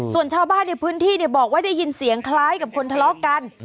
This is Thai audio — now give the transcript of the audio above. ส่วนชาวบ้านในพื้นที่บอกว่าได้ยินเสียงคล้ายกับคนทะเลาะกัน